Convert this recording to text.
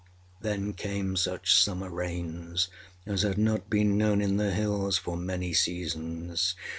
â Then came such summer rains as had not been known in the Hills for many seasons.